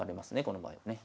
この場合はね。